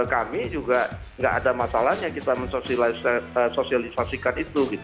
kami juga tidak ada masalahnya kita sosialisasikan itu